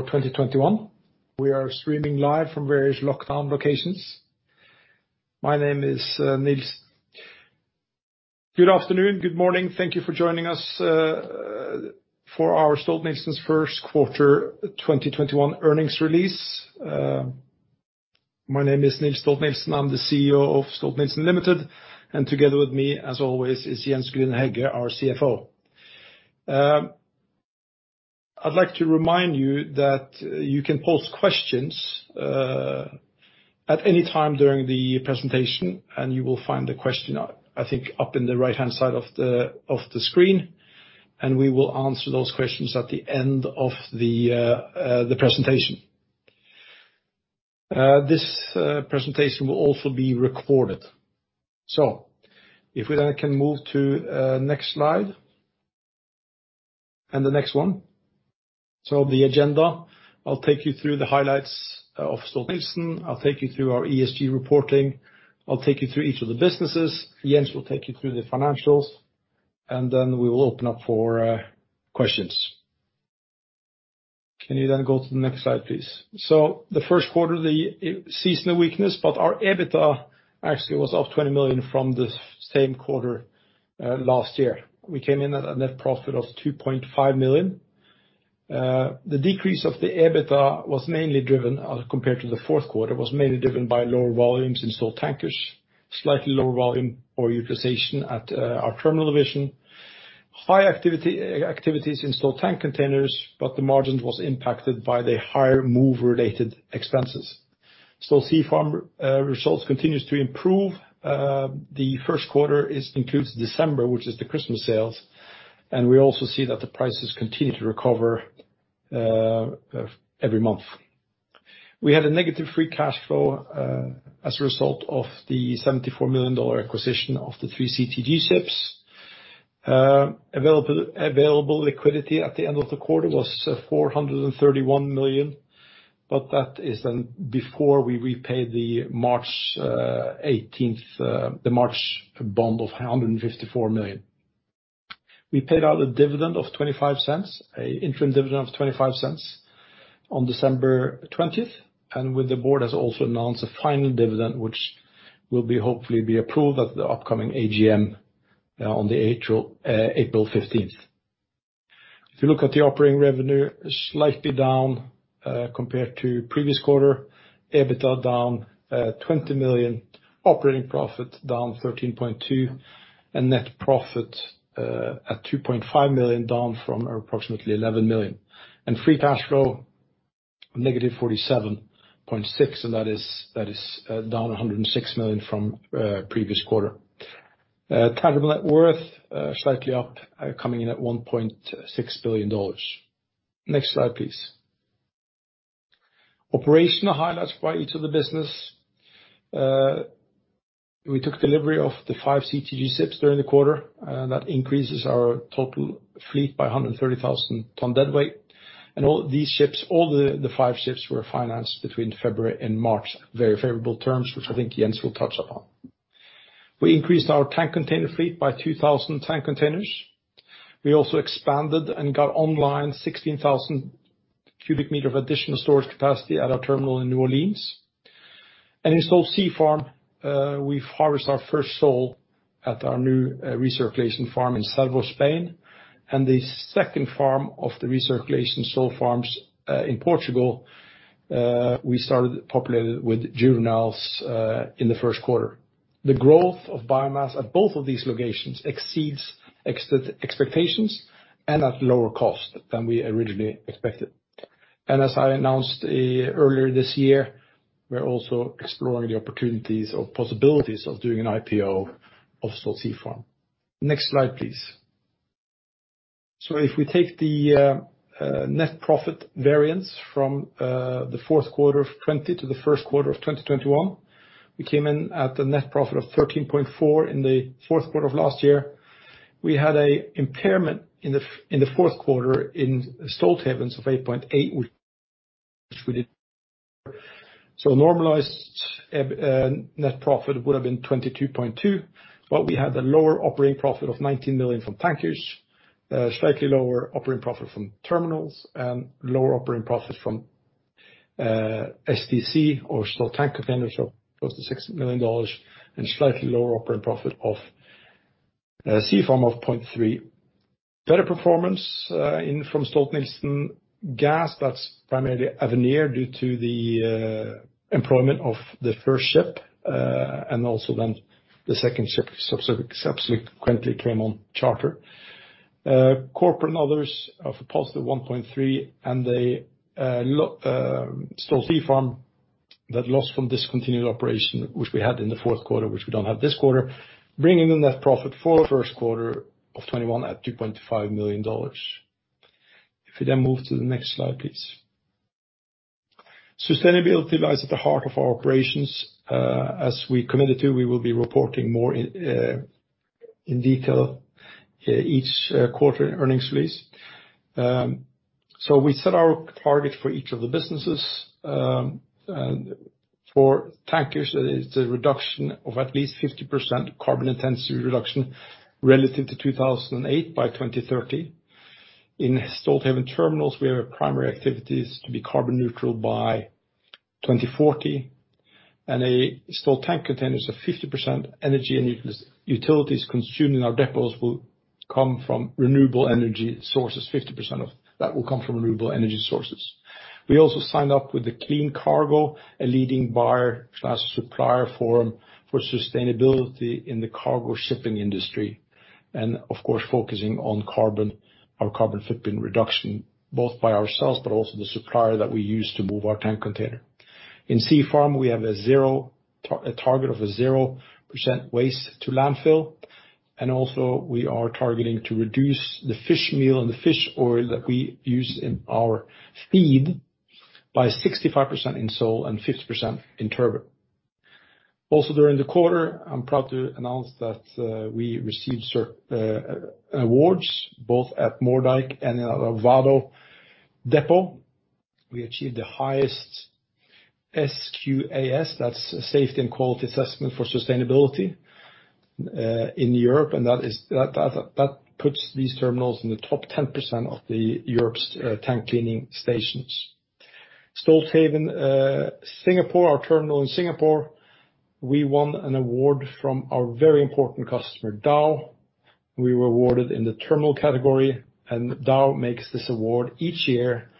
For 2021. We are streaming live from various lockdown locations. My name is Niels. Good afternoon, good morning. Thank you for joining us for our Stolt-Nielsen's First Quarter 2021 Earnings Release. My name is Niels Stolt-Nielsen, I'm the CEO of Stolt-Nielsen Limited, and together with me, as always, is Jens Grüner-Hegge, our CFO. I'd like to remind you that you can pose questions at any time during the presentation, and you will find the question, I think, up in the right-hand side of the screen, and we will answer those questions at the end of the presentation. This presentation will also be recorded. If we then can move to next slide. The next one. The agenda, I will take you through the highlights of Stolt-Nielsen. I will take you through our ESG reporting. I will take you through each of the businesses. Jens will take you through the financials, and then we will open up for questions. Can you go to the next slide, please? The first quarter, the seasonal weakness, but our EBITDA actually was up $20 million from the same quarter last year. We came in at a net profit of $2.5 million. The decrease of the EBITDA compared to the fourth quarter, was mainly driven by lower volumes in Stolt Tankers, slightly lower volume or utilization at our terminal division, high activities in Stolt Tank Containers, but the margins was impacted by the higher move-related expenses. Stolt Sea Farm results continues to improve. The first quarter includes December, which is the Christmas sales, and we also see that the prices continue to recover every month. We had a negative free cash flow as a result of the $74 million acquisition of the 3 CTG ships. Available liquidity at the end of the quarter was $431 million, before we repaid the March bond of $154 million. We paid out an interim dividend of $0.25 on December 20th, with the board has also announced a final dividend, which will hopefully be approved at the upcoming AGM on April 15th. If you look at the operating revenue, slightly down, compared to previous quarter. EBITDA down $20 million, operating profit down $13.2 million, net profit at $2.5 million down from approximately $11 million. Free cash flow negative $47.6 million, that is down $106 million from previous quarter. Tangible net worth, slightly up, coming in at $1.6 billion. Next slide, please. Operational highlights by each of the business. We took delivery of the five CTG ships during the quarter, that increases our total fleet by 130,000 tons deadweight. All these ships, all the five ships were financed between February and March at very favorable terms, which I think Jens will touch upon. We increased our tank container fleet by 2,000 tank containers. We also expanded and got online 16,000 cubic meter of additional storage capacity at our terminal in New Orleans. In Stolt Sea Farm, we've harvested our first sole at our new recirculation farm in Cervo, Spain, and the second farm of the recirculation sole farms in Portugal, we started populated with juveniles in the first quarter. The growth of biomass at both of these locations exceeds expectations and at lower cost than we originally expected. As I announced earlier this year, we are also exploring the opportunities or possibilities of doing an IPO of Stolt Sea Farm. Next slide, please. If we take the net profit variance from the fourth quarter of 2020 to the first quarter of 2021, we came in at a net profit of $13.4 in the fourth quarter of last year. We had an impairment in the fourth quarter in Stolthaven of $8.8. Normalized net profit would have been $22.2, but we had a lower operating profit of $19 million from Tankers, slightly lower operating profit from terminals, and lower operating profit from STC or Stolt Tank Containers of close to $6 million and slightly lower operating profit of Sea Farm of $0.3. Better performance from Stolt-Nielsen Gas, that is primarily Avenir due to the employment of the first ship, and also then the second ship subsequently came on charter. Corporate and others of a positive $1.3 and Stolt Sea Farm, that loss from discontinued operation which we had in the fourth quarter, which we don't have this quarter, bringing the net profit for the first quarter of 2021 at $2.5 million. If we move to the next slide, please. Sustainability lies at the heart of our operations. As we committed to, we will be reporting more in detail each quarter earnings release. We set our target for each of the businesses. For Tankers, that is a reduction of at least 50% carbon intensity reduction relative to 2008 by 2030. In Stolthaven Terminals, we have primary activities to be carbon neutral by 2040, and Stolt Tank Containers of 50% energy and utilities consumed in our depots will come from renewable energy sources. 50% of that will come from renewable energy sources. We also signed up with the Clean Cargo, a leading buyer/supplier forum for sustainability in the cargo shipping industry, and of course, focusing on our carbon footprint reduction, both by ourselves but also the supplier that we use to move our tank container. In Sea Farm, we have a target of 0% waste to landfill, and also we are targeting to reduce the fish meal and the fish oil that we use in our feed by 65% in sole and 50% in turbot. During the quarter, I'm proud to announce that we received certain awards both at Moerdijk and at Vado Depot. We achieved the highest SQAS, that's Safety and Quality Assessment for Sustainability, in Europe. That puts these terminals in the top 10% of the Europe's tank cleaning stations. Stolthaven Singapore, our terminal in Singapore, we won an award from our very important customer, Dow. We were awarded in the terminal category. Dow makes this award each year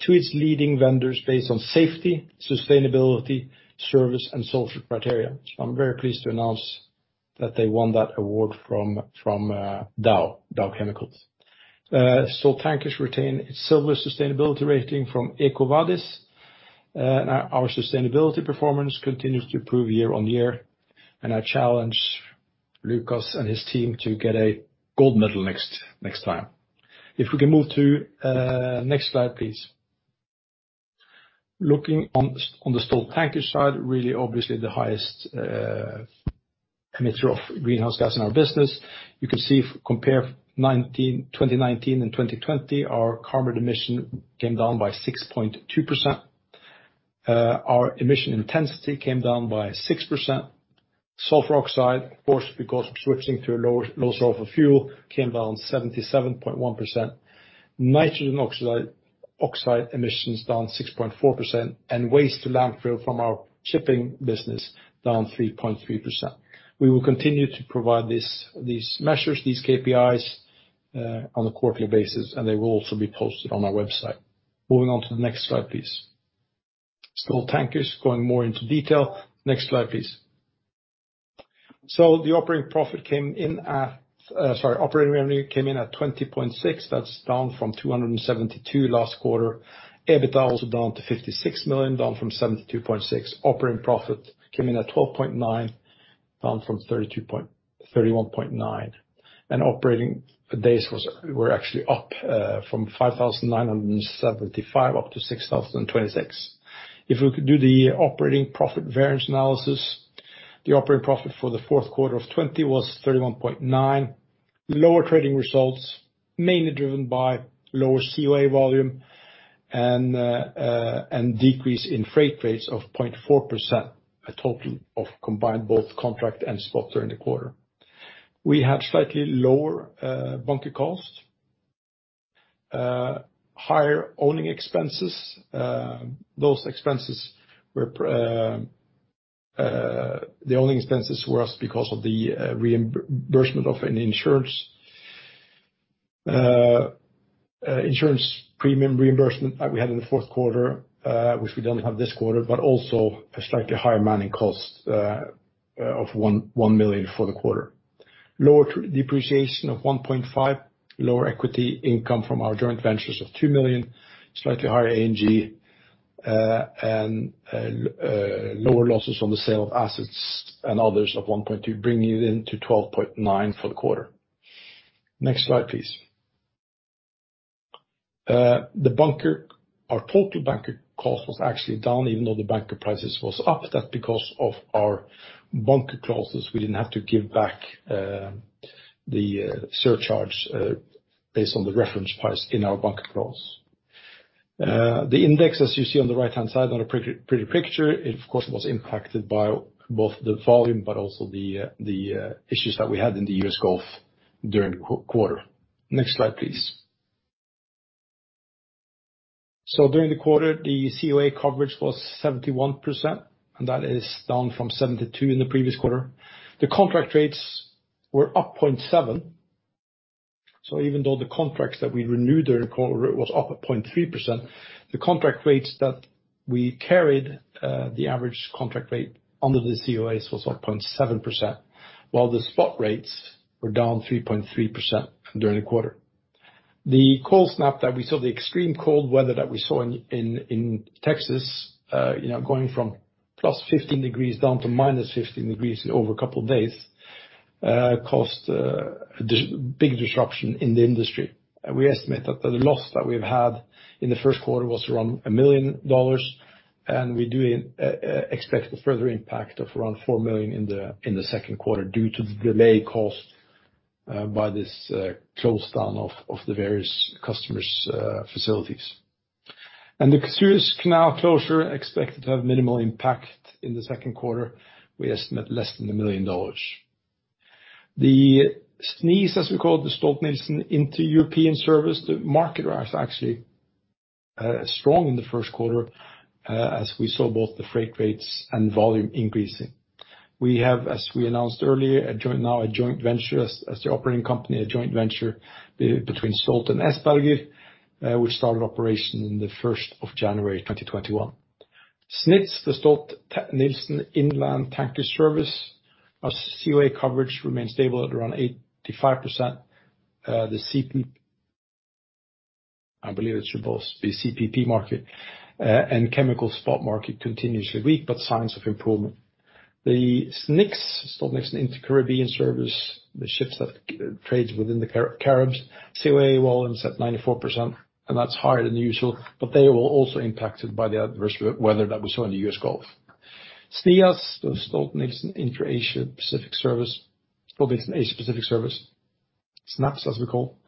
to its leading vendors based on safety, sustainability, service, and social criteria. I'm very pleased to announce that they won that award from Dow Chemical. Stolt Tankers retained its silver sustainability rating from EcoVadis. Our sustainability performance continues to improve year-on-year, and I challenge Lukas and his team to get a gold medal next time. If we can move to next slide, please. Looking on the Stolt Tankers side, really obviously the highest emitter of greenhouse gas in our business. You can see if we compare 2019 and 2020, our carbon emission came down by 6.2%. Our emission intensity came down by 6%. Sulfur oxide, of course, because we're switching to a lower sulfur fuel, came down 77.1%. Nitrogen oxide emissions down 6.4%, and waste to landfill from our shipping business down 3.3%. We will continue to provide these measures, these KPIs, on a quarterly basis, and they will also be posted on our website. Moving on to the next slide, please. Stolt Tankers, going more into detail. Next slide, please. The operating revenue came in at $20.6. That's down from $272 last quarter. EBITDA also down to $56 million, down from $72.6. Operating profit came in at $12.9, down from $31.9. Operating days were actually up from 5,975 up to 6,026. If we could do the operating profit variance analysis, the operating profit for the fourth quarter of 2020 was $31.9. Lower trading results, mainly driven by lower COA volume and decrease in freight rates of 0.4%, a total of combined both contract and spot during the quarter. We had slightly lower bunker cost. Higher owning expenses. The owning expenses were up because of the reimbursement of an insurance premium reimbursement that we had in the fourth quarter, which we don't have this quarter, but also a slightly higher manning cost of $1 million for the quarter. Lower depreciation of $1.5, lower equity income from our joint ventures of $2 million, slightly higher A&G, and lower losses on the sale of assets and others of $1.2, bringing it into $12.9 for the quarter. Next slide, please. Our total bunker cost was actually down even though the bunker prices was up. That's because of our bunker clauses. We didn't have to give back the surcharge based on the reference price in our bunker clause. The index, as you see on the right-hand side on the pretty picture, it, of course, was impacted by both the volume, but also the issues that we had in the U.S. Gulf during the quarter. Next slide, please. During the quarter, the COA coverage was 71%, and that is down from 72% in the previous quarter. The contract rates were up 0.7%. Even though the contracts that we renewed during the quarter was up at 0.3%, the contract rates that we carried, the average contract rate under the COAs was up 0.7%, while the spot rates were down 3.3% during the quarter. The cold snap that we saw, the extreme cold weather that we saw in Texas, going from plus 15 degrees down to minus 15 degrees in over a couple of days, caused a big disruption in the industry. We estimate that the loss that we've had in the first quarter was around $1 million, and we do expect a further impact of around $4 million in the second quarter due to the delay cost by this close down of the various customers' facilities. The Suez Canal closure expected to have minimal impact in the second quarter, we estimate less than $1 million. The SNIES, as we call it, the Stolt-Nielsen Inter-European Service, the market was actually strong in the first quarter, as we saw both the freight rates and volume increasing. We have, as we announced earlier, now a joint venture as the operating company, a joint venture between Stolt and Essberger, which started operation in the 1st of January 2021. SNITS, the Stolt-Nielsen Inland Tanker Service, our COA coverage remains stable at around 85%. The CPP, I believe it should both be CPP market and chemical spot market continuously weak, signs of improvement. The SNICS, Stolt-Nielsen Inter-Caribbean Service, the ships that trades within the Caribs, COA volumes at 94%, that's higher than usual, they were also impacted by the adverse weather that we saw in the U.S. Gulf. SNIAS, the Stolt-Nielsen Inter Asia-Pacific Service, Stolt Asia-Pacific Service, SNAPS as we call,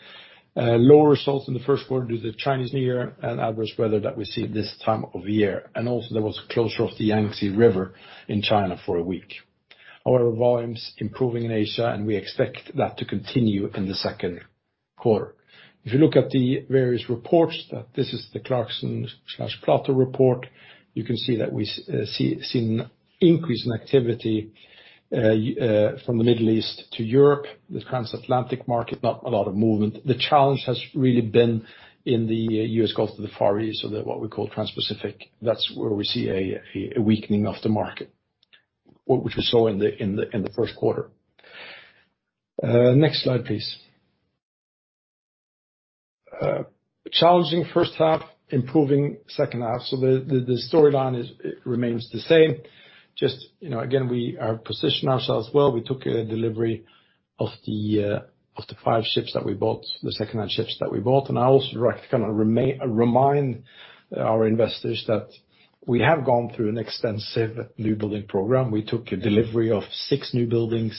lower results in the first quarter due to the Chinese New Year and adverse weather that we see this time of year. Also there was a closure of the Yangtze River in China for a week. Volumes improving in Asia and we expect that to continue in the second quarter. If you look at the various reports that this is the Clarksons Platou report, you can see that we've seen increase in activity from the Middle East to Europe, the trans-Atlantic market, not a lot of movement. The challenge has really been in the U.S. Gulf to the Far East or the what we call trans-Pacific. That's where we see a weakening of the market, which we saw in the first quarter. Next slide, please. Challenging first half, improving second half. The storyline remains the same. Just again, we are positioning ourselves well. We took a delivery of the five ships that we bought, the second-hand ships that we bought. I also like to kind of remind our investors that we have gone through an extensive new building program. We took a delivery of six new buildings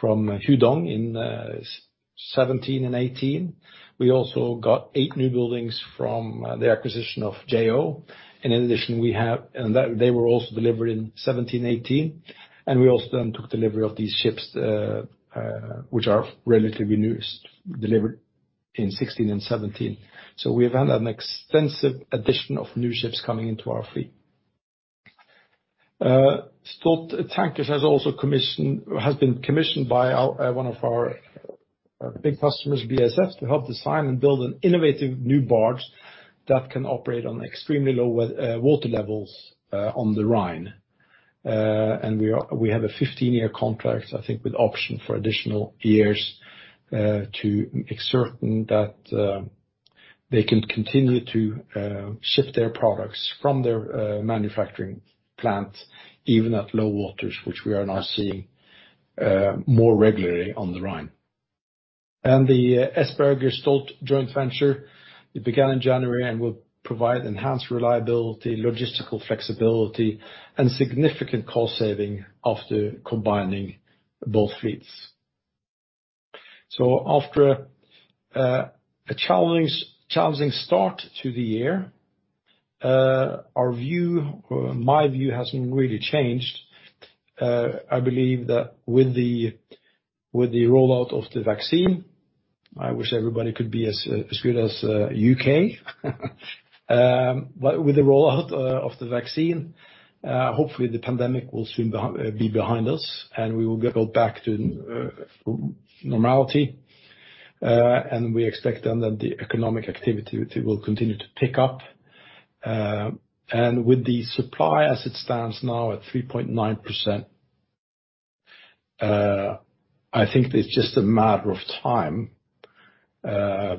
from Hudong in 2017 and 2018. We also got eight new buildings from the acquisition of JO. They were also delivered in 2017, 2018. We also then took delivery of these ships, which are relatively newest, delivered in 2016 and 2017. We've had an extensive addition of new ships coming into our fleet. Stolt Tankers has been commissioned by one of our big customers, BASF, to help design and build an innovative new barge that can operate on extremely low water levels on the Rhine. We have a 15-year contract, I think, with option for additional years, to ensure that they can continue to ship their products from their manufacturing plant, even at low waters, which we are now seeing more regularly on the Rhine. The Essberger-Stolt joint venture, it began in January and will provide enhanced reliability, logistical flexibility, and significant cost saving after combining both fleets. After a challenging start to the year, my view hasn't really changed. I believe that with the rollout of the vaccine, I wish everybody could be as good as U.K. With the rollout of the vaccine, hopefully the pandemic will soon be behind us and we will go back to normality. We expect then that the economic activity will continue to pick up. With the supply as it stands now at 3.9%, I think it's just a matter of time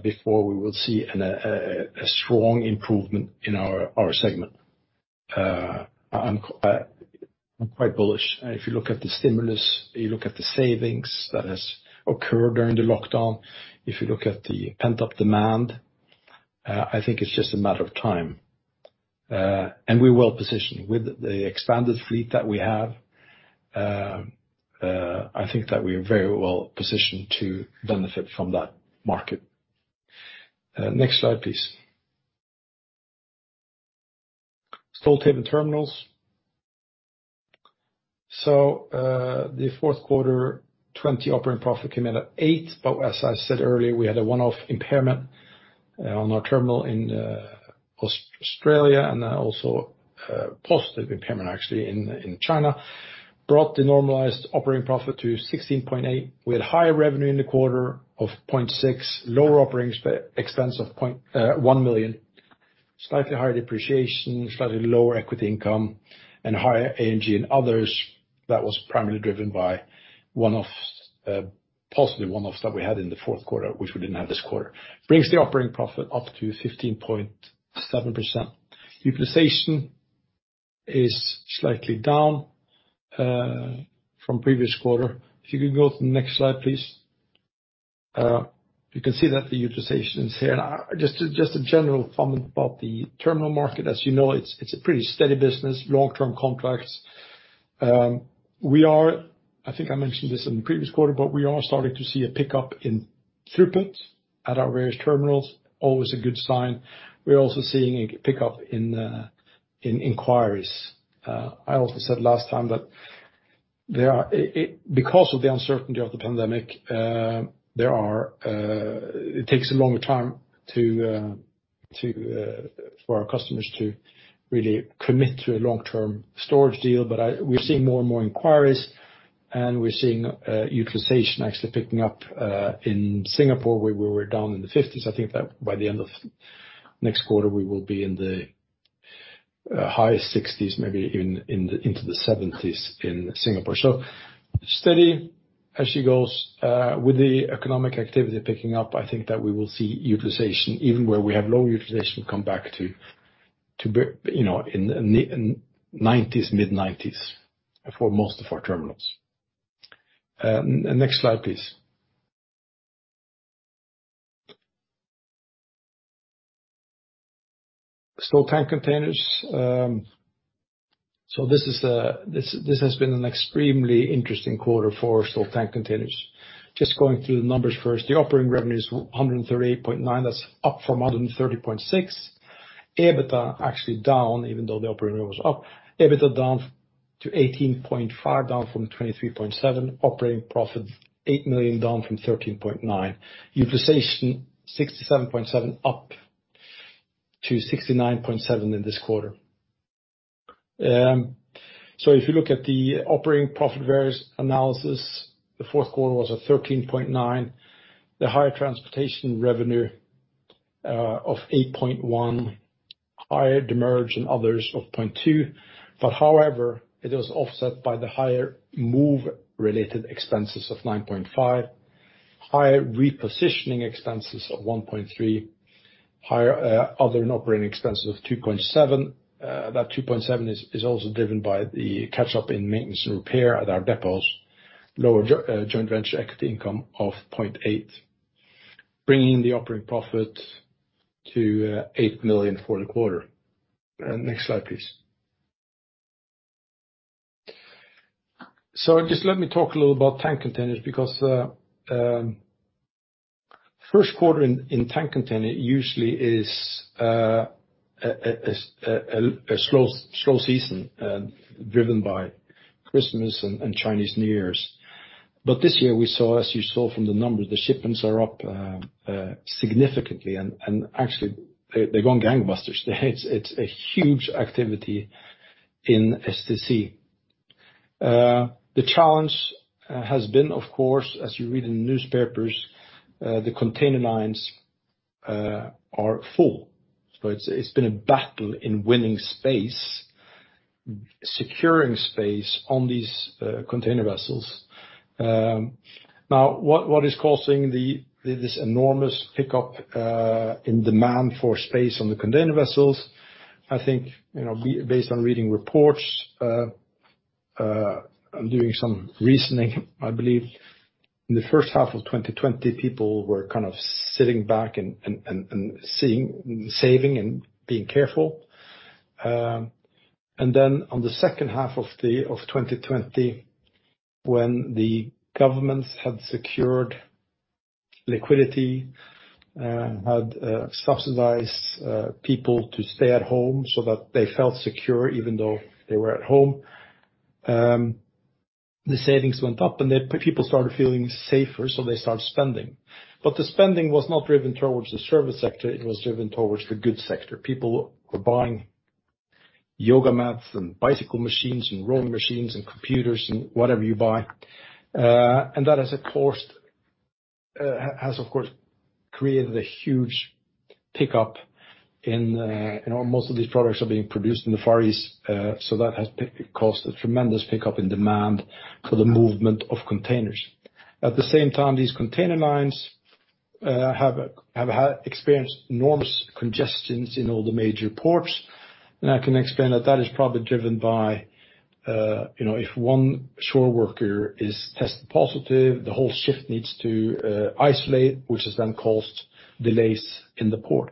before we will see a strong improvement in our segment. I'm quite bullish. If you look at the stimulus, if you look at the savings that has occurred during the lockdown, if you look at the pent-up demand, I think it's just a matter of time. We are well-positioned. With the expanded fleet that we have, I think that we are very well positioned to benefit from that market. Next slide, please. Stolthaven Terminals. The fourth quarter 2020 operating profit came in at $8, but as I said earlier, we had a one-off impairment on our terminal in Australia and also a positive impairment actually in China, brought the normalized operating profit to $16.8, with higher revenue in the quarter of $0.6, lower operating expense of $1 million. Slightly higher depreciation, slightly lower equity income, and higher A&G and others. That was primarily driven by possibly one-offs that we had in the fourth quarter, which we didn't have this quarter. Brings the operating profit up to 15.7%. Utilization is slightly down from previous quarter. If you could go to the next slide, please. You can see that the utilization is here. Just a general comment about the terminal market. As you know, it's a pretty steady business, long-term contracts. I think I mentioned this in the previous quarter. We are starting to see a pickup in throughput at our various terminals, always a good sign. We are also seeing a pickup in inquiries. I also said last time that because of the uncertainty of the pandemic, it takes a longer time for our customers to really commit to a long-term storage deal. We are seeing more and more inquiries, and we are seeing utilization actually picking up in Singapore, where we were down in the 50s. I think that by the end of next quarter, we will be in the high 60s, maybe even into the 70s in Singapore. Steady as she goes. With the economic activity picking up, I think that we will see utilization, even where we have low utilization, come back to mid-90s for most of our terminals. Next slide, please. Stolt Tank Containers. This has been an extremely interesting quarter for Stolt Tank Containers. Just going through the numbers first, the operating revenue is $138.9. That's up from $130.6. EBITDA actually down, even though the operating revenue was up. EBITDA down to $18.5, down from $23.7. Operating profit, $8 million, down from $13.9. Utilization 67.7%, up to 69.7% in this quarter. If you look at the operating profit variance analysis, the fourth quarter was at $13.9. The higher transportation revenue of $8.1, higher demurrage and others of $0.2. However, it was offset by the higher move-related expenses of $9.5, higher repositioning expenses of $1.3, higher other and operating expenses of $2.7. That 2.7 is also driven by the catch-up in maintenance and repair at our depots, lower joint venture equity income of 0.8, bringing the operating profit to $8 million for the quarter. Next slide, please. Just let me talk a little about Tank Containers because first quarter in Tank Container usually is a slow season driven by Christmas and Chinese New Year. This year, as you saw from the numbers, the shipments are up significantly and actually they've gone gangbusters. It's a huge activity in STC. The challenge has been, of course, as you read in the newspapers, the container lines are full. It's been a battle in winning space, securing space on these container vessels. Now, what is causing this enormous pickup in demand for space on the container vessels? I think based on reading reports, and doing some reasoning, I believe in the first half of 2020, people were kind of sitting back and saving and being careful. On the second half of 2020, when the governments had secured liquidity and had subsidized people to stay at home so that they felt secure even though they were at home, the savings went up and then people started feeling safer, so they started spending. The spending was not driven towards the service sector. It was driven towards the goods sector. People were buying yoga mats and bicycle machines and rowing machines and computers and whatever you buy. That has, of course, created a huge pickup and most of these products are being produced in the Far East. That has caused a tremendous pickup in demand for the movement of containers. At the same time, these container lines have experienced enormous congestions in all the major ports. I can explain that that is probably driven by if one shore worker is tested positive, the whole shift needs to isolate, which has then caused delays in the port.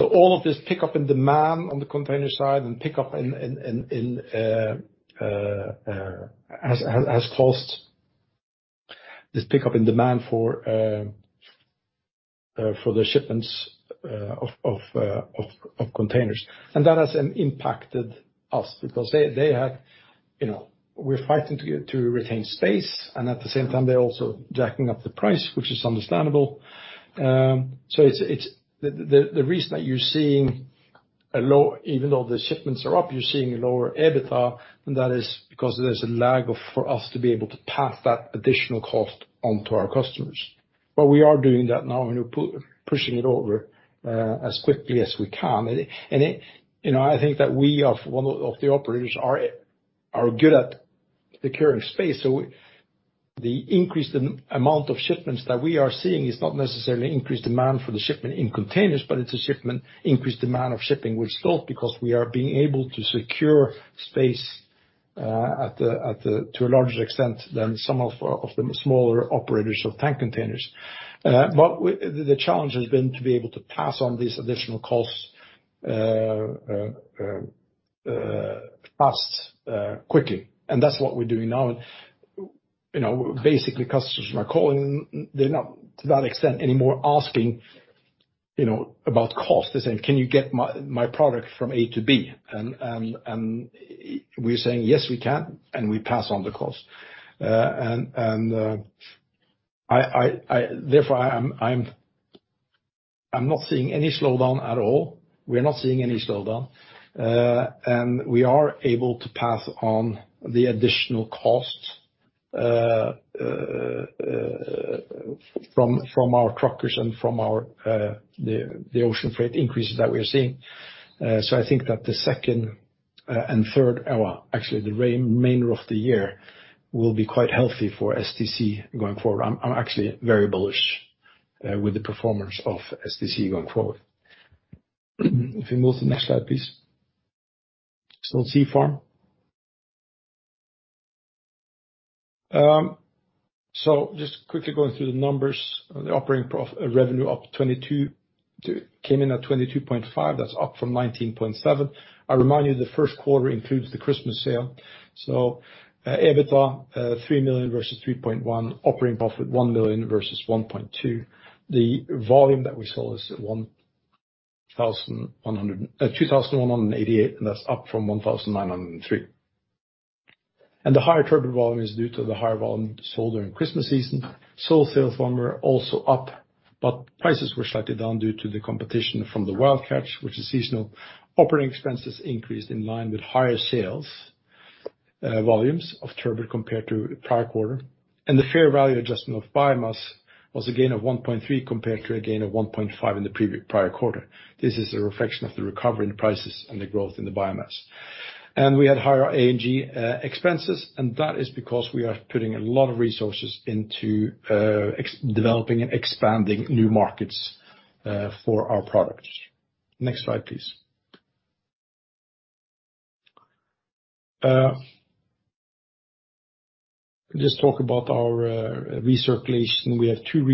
All of this pickup in demand on the container side has caused this pickup in demand for the shipments of containers. That has impacted us because we are fighting to retain space, and at the same time, they are also jacking up the price, which is understandable. The reason that even though the shipments are up, you are seeing lower EBITDA, and that is because there is a lag for us to be able to pass that additional cost on to our customers. We are doing that now and we are pushing it over as quickly as we can. I think that we are one of the operators are good at securing space. The increased amount of shipments that we are seeing is not necessarily increased demand for the shipment in containers, but it's increased demand of shipping with Stolt because we are being able to secure space to a large extent than some of the smaller operators of tank containers. The challenge has been to be able to pass on these additional costs fast, quickly. That's what we're doing now. Basically, customers are calling, they're not to that extent anymore asking about cost. They're saying, "Can you get my product from A to B?" We're saying, "Yes, we can," and we pass on the cost. Therefore I'm not seeing any slowdown at all. We're not seeing any slowdown. We are able to pass on the additional costs from our truckers and from the ocean freight increases that we are seeing. I think that the second and third, actually the remainder of the year, will be quite healthy for STC going forward. I'm actually very bullish with the performance of STC going forward. If we move to the next slide, please. Stolt Sea Farm. Just quickly going through the numbers. On the operating revenue up $22, came in at $22.5, that's up from $19.7. I remind you the first quarter includes the Christmas sale. EBITDA, $3 million versus $3.1 million. Operating profit, $1 million versus $1.2 million. The volume that we sold is at 2,188, and that's up from 1,903. The higher turbot volume is due to the higher volume sold during Christmas season. Sole sales volume are also up, prices were slightly down due to the competition from the wild catch, which is seasonal. Operating expenses increased in line with higher sales volumes of Turbot compared to the prior quarter. The fair value adjustment of biomass was a gain of $1.3 million compared to a gain of $1.5 million in the prior quarter. This is a reflection of the recovery in the prices and the growth in the biomass. We had higher A&G expenses, and that is because we are putting a lot of resources into developing and expanding new markets for our products. Next slide, please. Just talk about our recirculation. We have two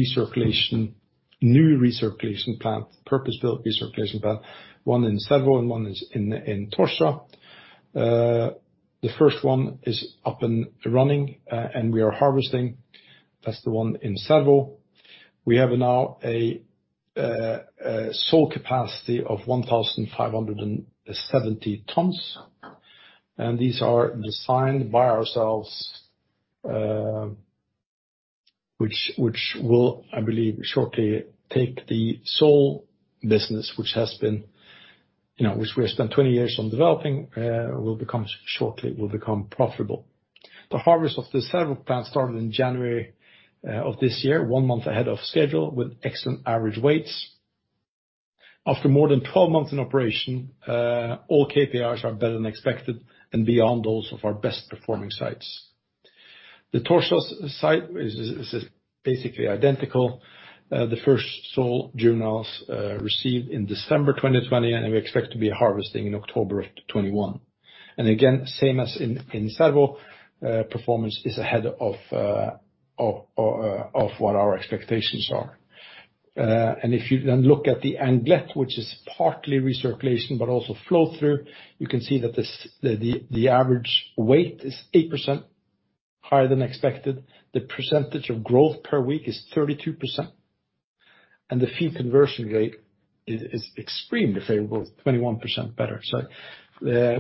new recirculation plant, purpose-built recirculation plant. One in Cervo and one is in Tocha. The first one is up and running, and we are harvesting. That's the one in Cervo. We have now a sole capacity of 1,570 tons. These are designed by ourselves, which will, I believe, shortly take the sole business, which we have spent 20 years on developing, shortly will become profitable. The harvest of the Cervo plant started in January of this year, one month ahead of schedule, with excellent average weights. After more than 12 months in operation, all KPIs are better than expected and beyond those of our best-performing sites. The Tocha site is basically identical. The first sole juveniles received in December 2020, we expect to be harvesting in October of 2021. Again, same as in Cervo, performance is ahead of what our expectations are. If you then look at the Anglet, which is partly recirculation but also flow-through, you can see that the average weight is 8% higher than expected. The percentage of growth per week is 32%, and the feed conversion rate is extremely favorable, 21% better.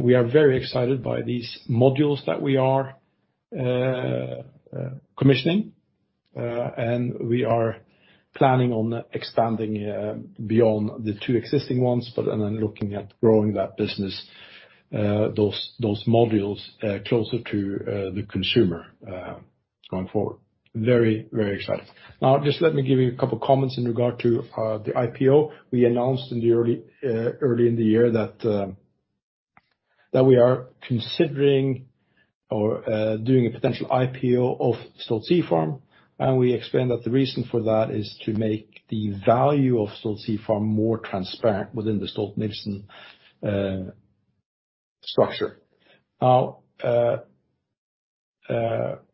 We are very excited by these modules that we are commissioning. We are planning on expanding beyond the two existing ones, but then looking at growing that business, those modules, closer to the consumer going forward. Very excited. Now, just let me give you a couple comments in regard to the IPO. We announced early in the year that we are considering or doing a potential IPO of Stolt Sea Farm, and we explained that the reason for that is to make the value of Stolt Sea Farm more transparent within the Stolt-Nielsen structure.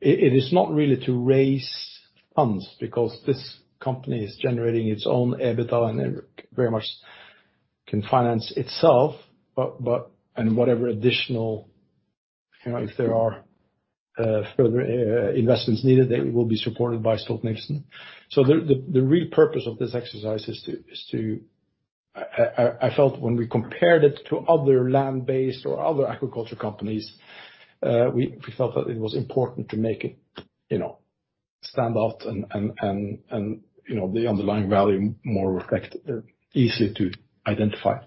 It is not really to raise funds because this company is generating its own EBITDA and very much can finance itself, and whatever additional, if there are further investments needed, they will be supported by Stolt-Nielsen. The real purpose of this exercise is to, I felt when we compared it to other land-based or other agriculture companies, we felt that it was important to make it stand out and the underlying value more reflect easier to identify.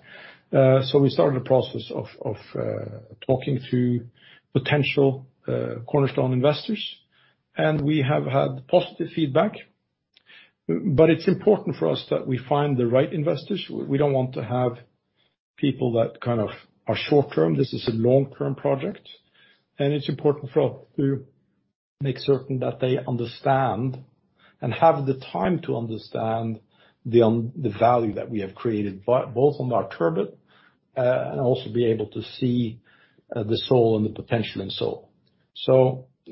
We started a process of talking to potential cornerstone investors, and we have had positive feedback. It's important for us that we find the right investors. We don't want to have people that kind of are short-term. This is a long-term project, and it's important for us to make certain that they understand and have the time to understand the value that we have created, both on our turbot and also be able to see the sole and the potential in sole.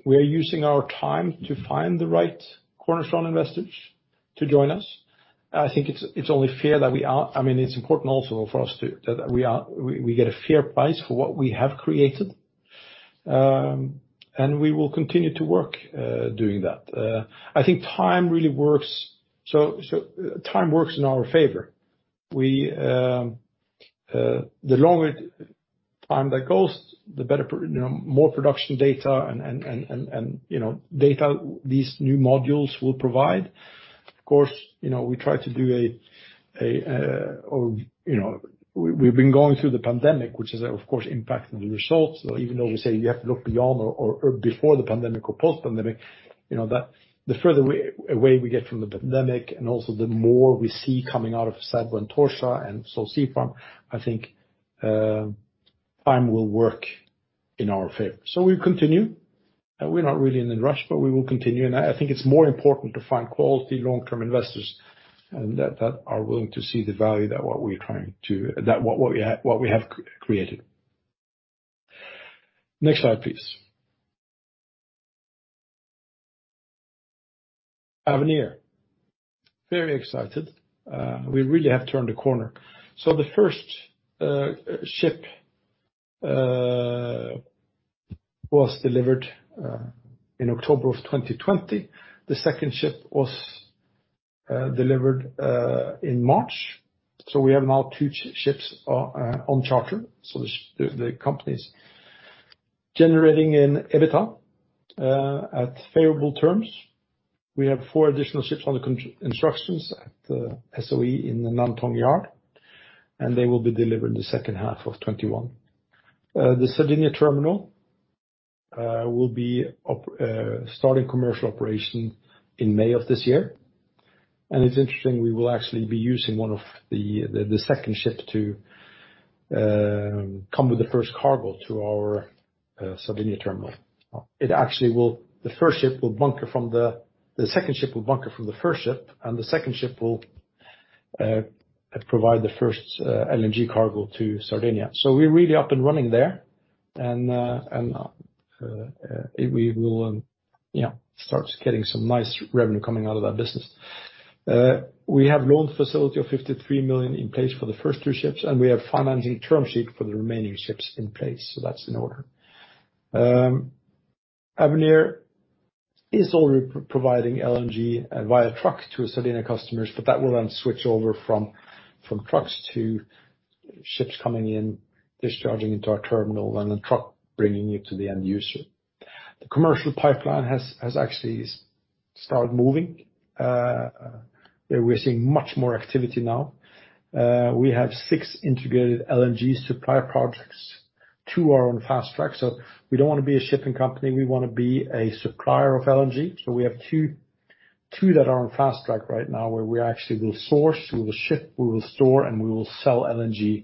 We are using our time to find the right cornerstone investors to join us. I think it's only fair that we are. It's important also for us too, that we get a fair price for what we have created. We will continue to work doing that. I think time really works. Time works in our favor. The longer time that goes, the better, more production data and data these new modules will provide. Of course, we try to do. We've been going through the pandemic, which is of course impacting the results. Even though we say we have to look beyond or before the pandemic or post-pandemic, the further away we get from the pandemic and also the more we see coming out of Cervo and Tocha and Stolt Sea Farm, I think time will work in our favor. We continue. We're not really in a rush, but we will continue. I think it's more important to find quality long-term investors and that what we have created. Next slide, please. Avenir. Very excited. We really have turned a corner. The first ship was delivered in October of 2020. The second ship was delivered in March. We have now two ships on charter. The company's generating an EBITDA at favorable terms. We have four additional ships under instructions at the SOE in the Nantong yard. They will be delivered in the second half of 2021. The Sardinia terminal will be starting commercial operation in May of this year. It's interesting, we will actually be using one of the second ship to come with the first cargo to our Sardinia terminal. The second ship will bunker from the first ship. The second ship will provide the first LNG cargo to Sardinia. We're really up and running there. We will start getting some nice revenue coming out of that business. We have loan facility of $53 million in place for the first two ships. We have financing term sheet for the remaining ships in place. That's in order. Avenir is already providing LNG via truck to Sardinia customers, that will switch over from trucks to ships coming in, discharging into our terminal and then truck bringing it to the end user. The commercial pipeline has actually started moving. We're seeing much more activity now. We have six integrated LNG supplier projects. Two are on fast track. We don't want to be a shipping company. We want to be a supplier of LNG. We have two that are on fast track right now where we actually will source, we will ship, we will store, and we will sell LNG,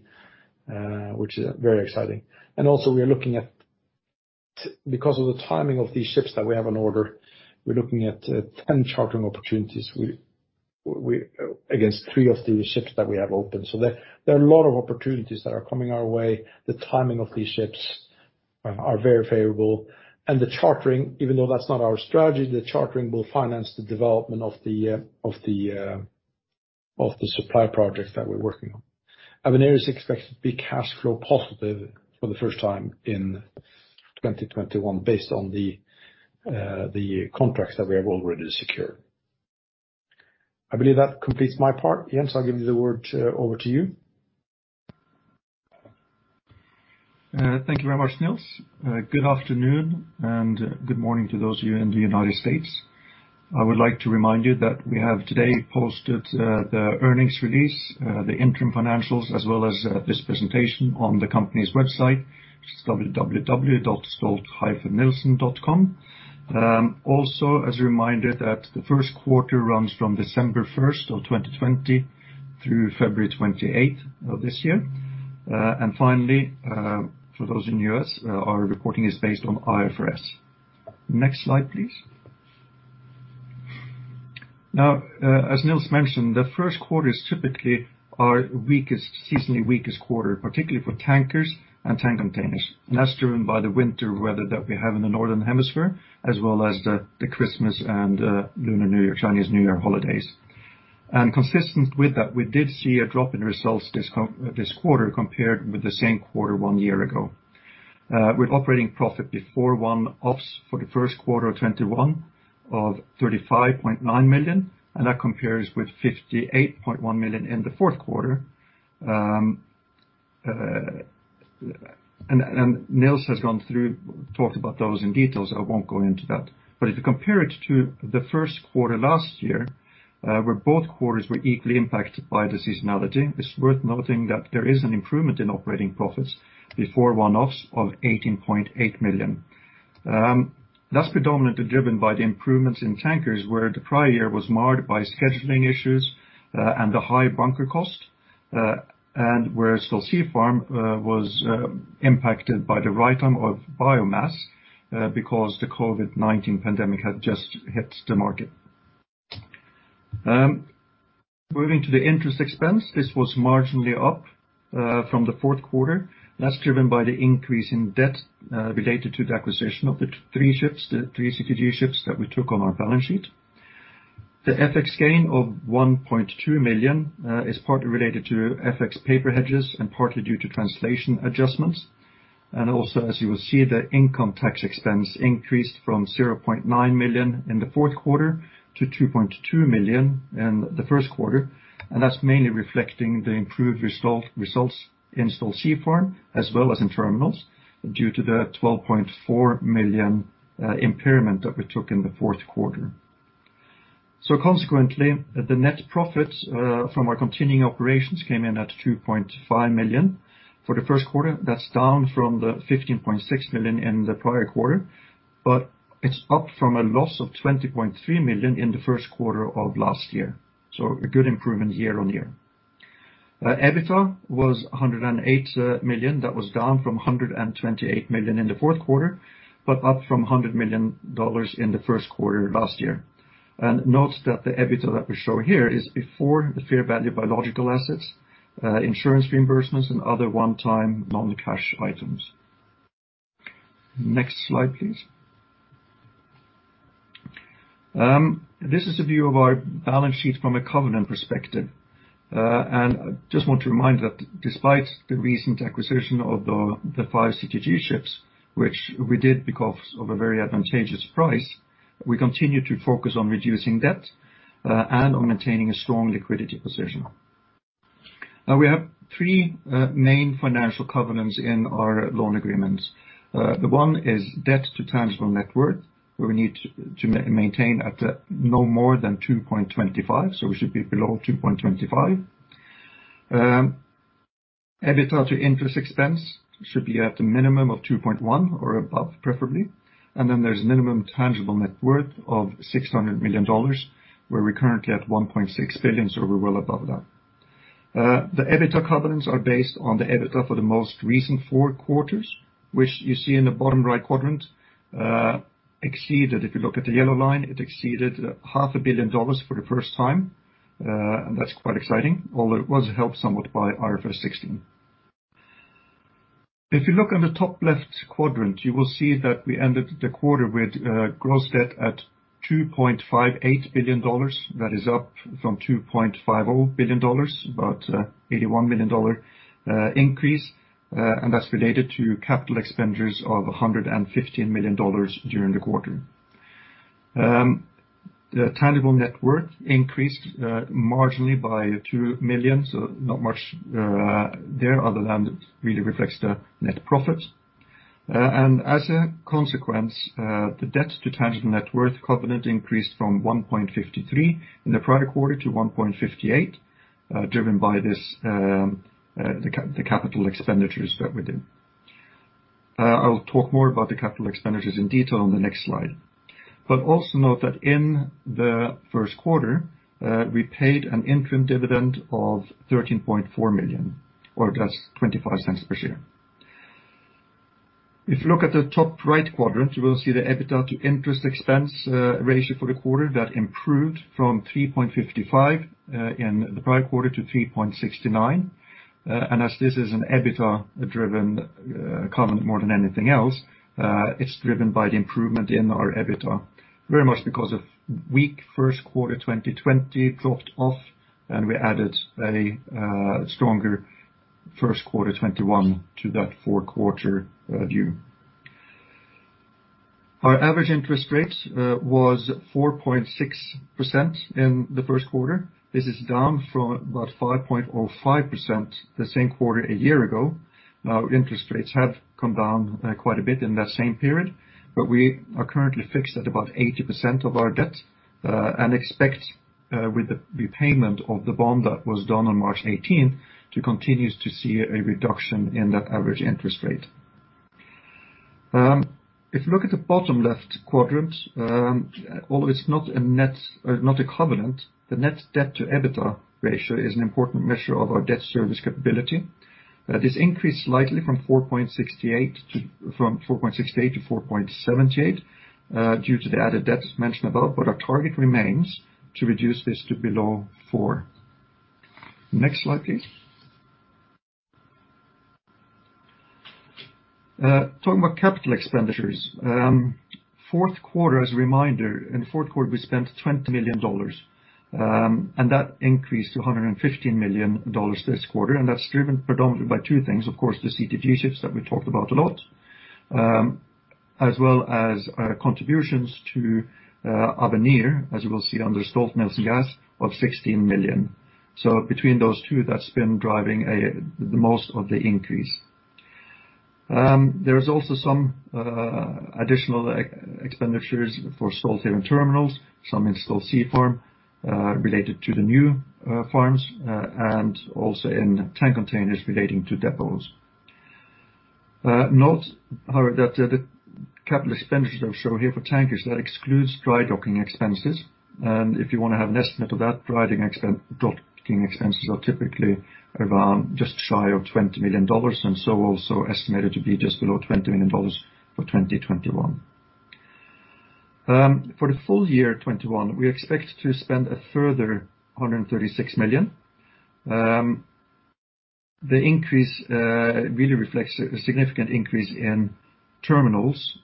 which is very exciting. Also we are looking at, because of the timing of these ships that we have on order, we're looking at 10 chartering opportunities against three of the ships that we have open. There are a lot of opportunities that are coming our way. The timing of these ships are very favorable. The chartering, even though that's not our strategy, the chartering will finance the development of the supply projects that we're working on. Avenir is expected to be cash flow positive for the first time in 2021 based on the contracts that we have already secured. I believe that completes my part. Jens, I'll give the word over to you. Thank you very much, Niels. Good afternoon and good morning to those of you in the U.S. I would like to remind you that we have today posted the earnings release, the interim financials, as well as this presentation on the company's website, which is www.stolt-nielsen.com. As a reminder that the first quarter runs from December 1st of 2020 through February 28th of this year. Finally, for those in the U.S., our reporting is based on IFRS. Next slide, please. As Niels mentioned, the first quarter is typically our seasonally weakest quarter, particularly for tankers and tank containers. That's driven by the winter weather that we have in the Northern Hemisphere, as well as the Christmas and Lunar New Year, Chinese New Year holidays. Consistent with that, we did see a drop in results this quarter compared with the same quarter one year ago. With operating profit before one-offs for the first quarter of 2021 of $35.9 million, and that compares with $58.1 million in the fourth quarter. Niels has gone through, talked about those in detail, so I won't go into that. If you compare it to the first quarter last year, where both quarters were equally impacted by the seasonality, it's worth noting that there is an improvement in operating profits before one-offs of $18.8 million. That's predominantly driven by the improvements in tankers, where the prior year was marred by scheduling issues and the high bunker cost. Whereas Stolt Sea Farm was impacted by the writedown of biomass because the COVID-19 pandemic had just hit the market. Moving to the interest expense, this was marginally up from the fourth quarter. That's driven by the increase in debt related to the acquisition of the three CTG ships that we took on our balance sheet. The FX gain of $1.2 million is partly related to FX paper hedges and partly due to translation adjustments. Also, as you will see, the income tax expense increased from $0.9 million in the fourth quarter to $2.2 million in the first quarter. That's mainly reflecting the improved results in Stolt Sea Farm, as well as in terminals, due to the $12.4 million impairment that we took in the fourth quarter. Consequently, the net profit from our continuing operations came in at $2.5 million for the first quarter. That's down from the $15.6 million in the prior quarter, but it's up from a loss of $20.3 million in the first quarter of last year. A good improvement year-over-year. EBITDA was $108 million. That was down from $128 million in the fourth quarter, up from $100 million in the first quarter last year. Note that the EBITDA that we show here is before the fair value biological assets, insurance reimbursements, and other one-time non-cash items. Next slide, please. This is a view of our balance sheet from a covenant perspective. I just want to remind you that despite the recent acquisition of the five CTG ships, which we did because of a very advantageous price, we continue to focus on reducing debt and on maintaining a strong liquidity position. We have three main financial covenants in our loan agreements. One is debt to tangible net worth, where we need to maintain at no more than 2.25, we should be below 2.25. EBITDA to interest expense should be at a minimum of 2.1 or above, preferably. Then there's minimum tangible net worth of $600 million, where we're currently at $1.6 billion, so we're well above that. The EBITDA covenants are based on the EBITDA for the most recent four quarters, which you see in the bottom right quadrant, exceeded. If you look at the yellow line, it exceeded half a billion dollars for the first time. That's quite exciting, although it was helped somewhat by IFRS 16. If you look on the top left quadrant, you will see that we ended the quarter with gross debt at $2.58 billion. That is up from $2.50 billion, about $81 million increase and that's related to capital expenditures of $115 million during the quarter. The tangible net worth increased marginally by $2 million, so not much there other than it really reflects the net profit. As a consequence, the debt to tangible net worth covenant increased from 1.53 in the prior quarter to 1.58, driven by the capital expenditures that we did. I will talk more about the capital expenditures in detail on the next slide. Also note that in the first quarter, we paid an interim dividend of $13.4 million, or that's $0.25 per share. If you look at the top right quadrant, you will see the EBITDA to interest expense ratio for the quarter that improved from 3.55 in the prior quarter to 3.69. As this is an EBITDA-driven covenant more than anything else, it's driven by the improvement in our EBITDA, very much because of weak first quarter 2020 dropped off and we added a stronger first quarter 2021 to that four-quarter view. Our average interest rate was 4.6% in the first quarter. This is down from about 5.05% the same quarter a year ago. Interest rates have come down quite a bit in that same period, but we are currently fixed at about 80% of our debt and expect with the repayment of the bond that was done on March 18th to continue to see a reduction in that average interest rate. If you look at the bottom left quadrant, although it's not a covenant, the net debt to EBITDA ratio is an important measure of our debt service capability. This increased slightly from 4.68 to 4.78 due to the added debt mentioned above, but our target remains to reduce this to below four. Next slide, please. Talking about capital expenditures. As a reminder, in the fourth quarter, we spent $20 million, and that increased to $115 million this quarter, and that's driven predominantly by two things. Of course, the CTG ships that we talked about a lot, as well as contributions to Avenir, as you will see under Stolt-Nielsen Gas of $16 million. Between those two, that's been driving the most of the increase. There is also some additional expenditures for Stolthaven Terminals, some in Stolt Sea Farm related to the new farms and also in Stolt Tank Containers relating to depots. Note, however, that the capital expenditures shown here for tankers excludes dry docking expenses. If you want to have an estimate of that, dry docking expenses are typically around just shy of $20 million, also estimated to be just below $20 million for 2021. For the full year 2021, we expect to spend a further $136 million. The increase really reflects a significant increase in terminals.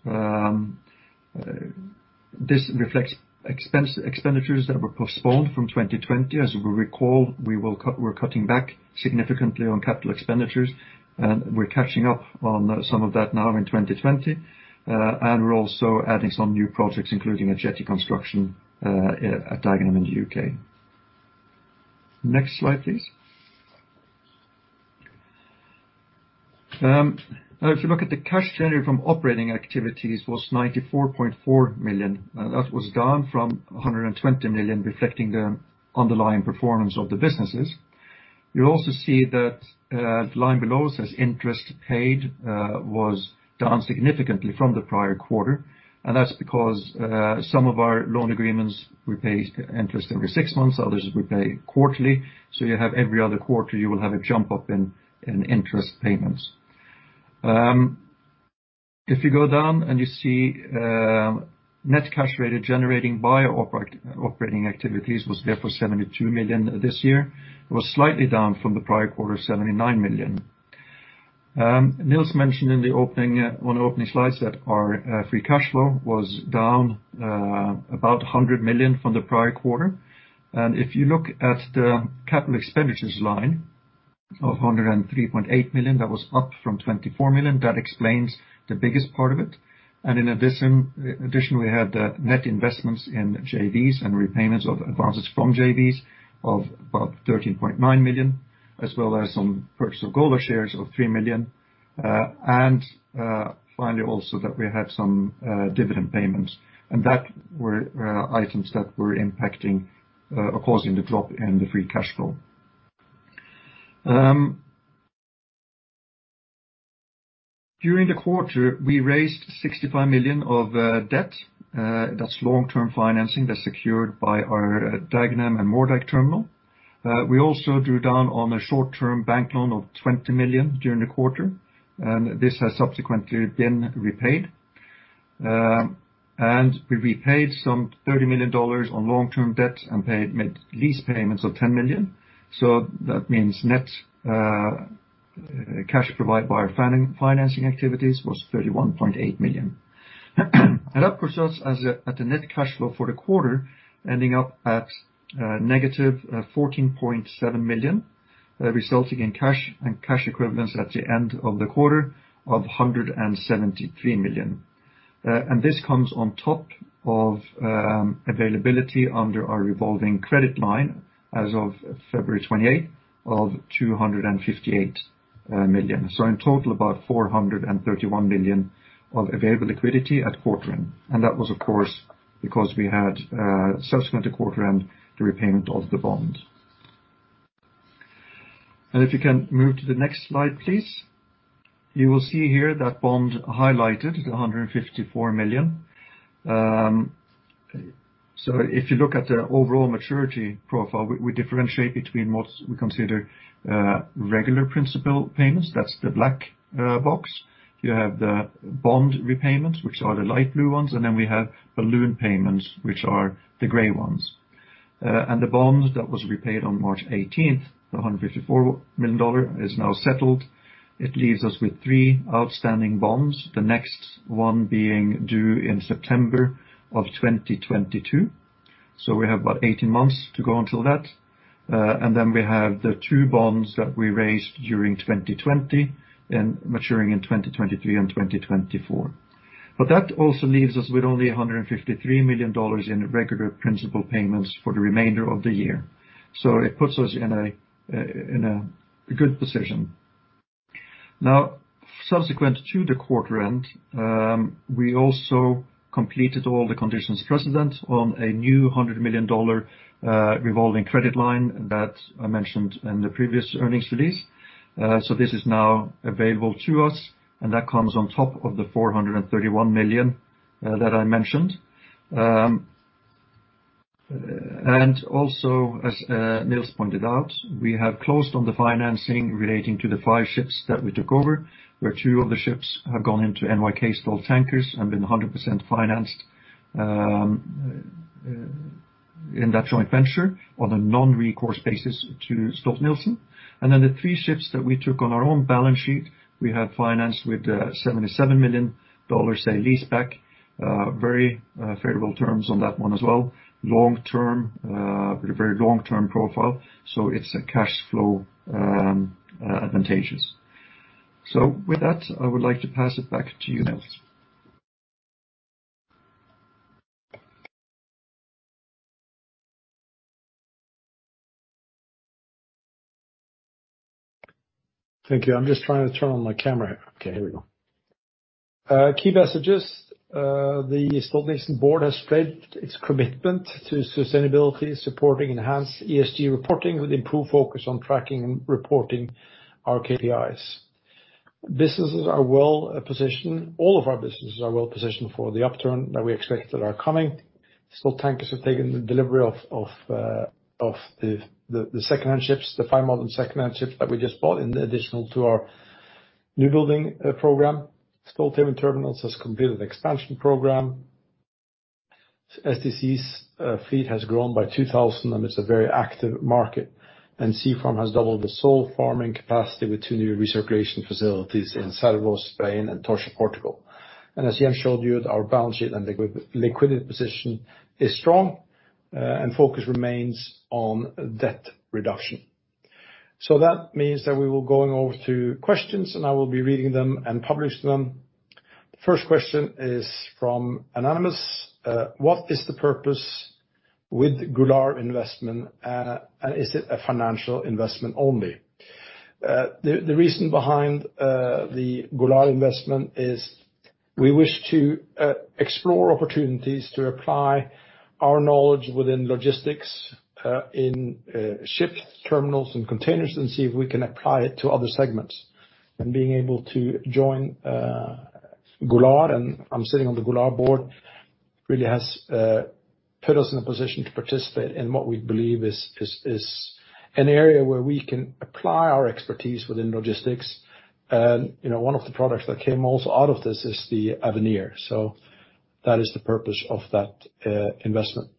This reflects expenditures that were postponed from 2020. As you will recall, we were cutting back significantly on capital expenditures, and we're catching up on some of that now in 2020. We're also adding some new projects, including a jetty construction at Dagenham in the U.K. Next slide, please. If you look at the cash generated from operating activities was $94.4 million. That was down from $120 million, reflecting the underlying performance of the businesses. You'll also see that the line below says interest paid was down significantly from the prior quarter. That's because some of our loan agreements we pay interest every six months, others we pay quarterly. You have every other quarter, you will have a jump up in interest payments. If you go down and you see net cash generated by operating activities was therefore $72 million this year. It was slightly down from the prior quarter, $79 million. Niels mentioned on the opening slide that our free cash flow was down about $100 million from the prior quarter. If you look at the capital expenditures line of $103.8 million, that was up from $24 million. That explains the biggest part of it. In addition, we had net investments in JVs and repayments of advances from JVs of about $13.9 million, as well as some purchase of Golar shares of $3 million. Finally, also that we had some dividend payments. That were items that were impacting or causing the drop in the free cash flow. During the quarter, we raised $65 million of debt. That's long-term financing that's secured by our Dagenham and Moerdijk terminal. We also drew down on a short-term bank loan of $20 million during the quarter, and this has subsequently been repaid. We repaid some $30 million on long-term debt and made lease payments of $10 million. That means net cash provided by our financing activities was $31.8 million. That puts us at a net cash flow for the quarter ending up at negative $14.7 million, resulting in cash and cash equivalents at the end of the quarter of $173 million. This comes on top of availability under our revolving credit line as of February 28th of $258 million. In total, about $431 million of available liquidity at quarter end. That was, of course, because we had subsequent to quarter end, the repayment of the bond. If you can move to the next slide, please. You will see here that bond highlighted at $154 million. If you look at the overall maturity profile, we differentiate between what we consider regular principal payments, that's the black box. You have the bond repayments, which are the light blue ones, and then we have balloon payments, which are the gray ones. The bonds that was repaid on March 18th, the $154 million, is now settled. It leaves us with three outstanding bonds, the next one being due in September of 2022. We have about 18 months to go until that. Then we have the two bonds that we raised during 2020, maturing in 2023 and 2024. That also leaves us with only $153 million in regular principal payments for the remainder of the year. It puts us in a good position. Subsequent to the quarter end, we also completed all the conditions precedent on a new $100 million revolving credit line that I mentioned in the previous earnings release. This is now available to us, and that comes on top of the $431 million that I mentioned. Also, as Niels pointed out, we have closed on the financing relating to the five ships that we took over. Where two of the ships have gone into NYK Stolt Tankers and been 100% financed in that joint venture on a non-recourse basis to Stolt-Nielsen. Then the three ships that we took on our own balance sheet, we have financed with $77 million, a leaseback. Very favorable terms on that one as well. Very long-term profile, so it's cash flow advantageous. With that, I would like to pass it back to you, Niels. Thank you. I'm just trying to turn on my camera here. Okay, here we go. Key messages. The Stolt-Nielsen board has spread its commitment to sustainability, supporting enhanced ESG reporting with improved focus on tracking and reporting our KPIs. All of our businesses are well-positioned for the upturn that we expect that are coming. Stolt Tankers have taken the delivery of the secondhand ships, the five modern secondhand ships that we just bought in addition to our new building program. Stolthaven Terminals has completed an expansion program. STC's fleet has grown by 2,000, it's a very active market. Stolt Sea Farm has doubled the sole farming capacity with two new recirculation facilities in Cervo, Spain and Tocha, Portugal. As Jens showed you, our balance sheet and liquidity position is strong, and focus remains on debt reduction. That means that we will going over to questions, and I will be reading them and publish them. The first question is from anonymous. What is the purpose with Golar investment, and is it a financial investment only? The reason behind the Golar investment is we wish to explore opportunities to apply our knowledge within logistics, in ships, terminals and containers and see if we can apply it to other segments. Being able to join Golar, and I'm sitting on the Golar board, really has put us in a position to participate in what we believe is an area where we can apply our expertise within logistics. One of the products that came also out of this is the Avenir. That is the purpose of that investment.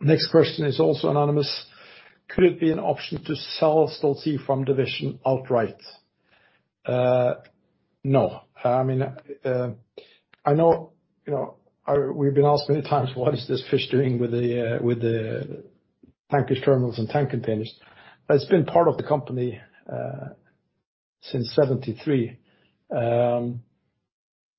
Next question is also anonymous. Could it be an option to sell Stolt Sea Farm division outright? No. We've been asked many times, what is this fish doing with the tankage terminals and tank containers? It's been part of the company since 1973.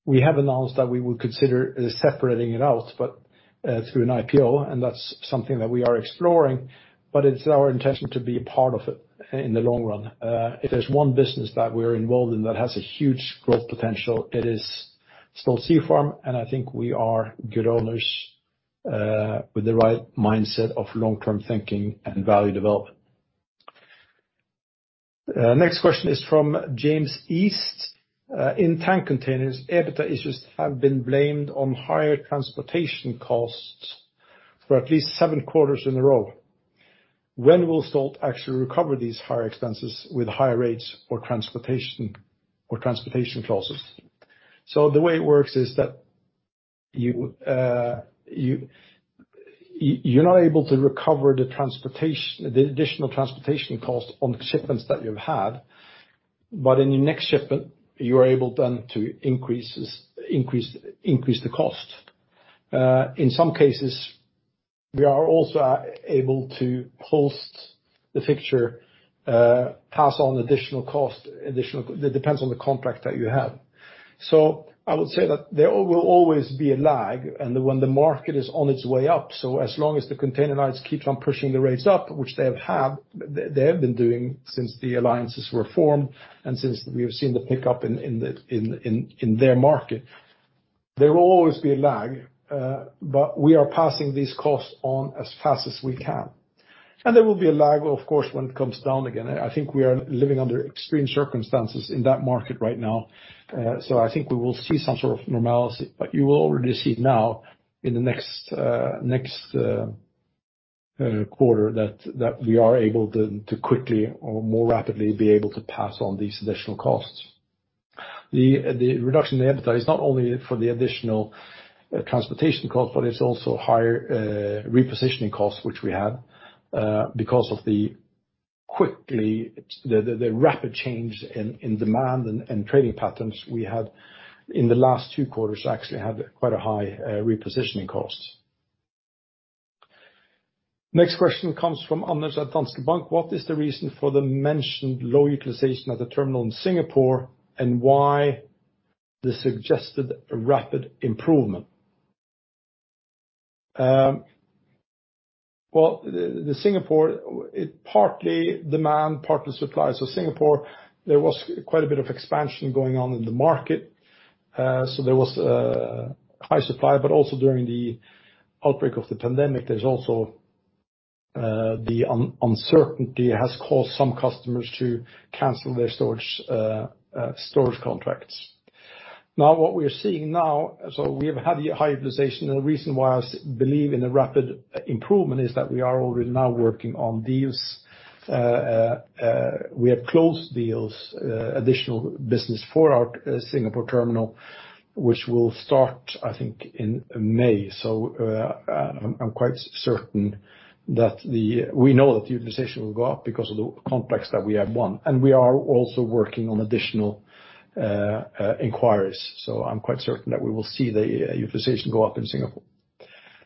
We have announced that we will consider separating it out, but through an IPO, and that's something that we are exploring, but it's our intention to be a part of it in the long run. If there's one business that we're involved in that has a huge growth potential, it is Stolt Sea Farm, and I think we are good owners with the right mindset of long-term thinking and value development. Next question is from James East. In tank containers, EBITDA issues have been blamed on higher transportation costs for at least seven quarters in a row. When will Stolt actually recover these higher expenses with higher rates or transportation clauses? The way it works is that you're not able to recover the additional transportation cost on the shipments that you've had, but in your next shipment, you are able then to increase the cost. In some cases, we are also able to post the fixture, pass on additional cost. It depends on the contract that you have. I would say that there will always be a lag, and when the market is on its way up, so as long as the container lines keep on pushing the rates up, which they have been doing since the alliances were formed, and since we have seen the pickup in their market. There will always be a lag. We are passing these costs on as fast as we can. There will be a lag, of course, when it comes down again. I think we are living under extreme circumstances in that market right now. I think we will see some sort of normality. You will already see now in the next quarter that we are able to quickly or more rapidly be able to pass on these additional costs. The reduction in the EBITDA is not only for the additional transportation cost, but it is also higher repositioning costs, which we have, because of the rapid change in demand and trading patterns we had in the last two quarters, actually had quite a high repositioning cost. Next question comes from Anders at Danske Bank. What is the reason for the mentioned low utilization at the terminal in Singapore, and why the suggested rapid improvement? The Singapore, it partly demand, partly supply. Singapore, there was quite a bit of expansion going on in the market. There was a high supply, but also during the outbreak of the pandemic, there is also the uncertainty has caused some customers to cancel their storage contracts. Now, what we are seeing now, we have had the high utilization, and the reason why I believe in the rapid improvement is that we are already now working on deals. We have closed deals, additional business for our Singapore terminal, which will start, I think, in May. I'm quite certain that we know that the utilization will go up because of the contracts that we have won. We are also working on additional inquiries. I'm quite certain that we will see the utilization go up in Singapore.